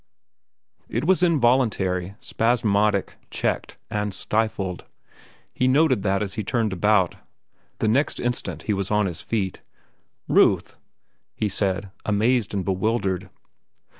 It was involuntary, spasmodic, checked, and stifled—he noted that as he turned about. The next instant he was on his feet. "Ruth!" he said, amazed and bewildered.